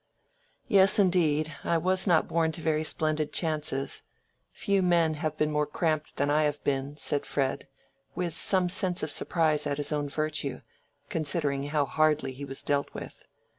"Yes, indeed: I was not born to very splendid chances. Few men have been more cramped than I have been," said Fred, with some sense of surprise at his own virtue, considering how hardly he was dealt with.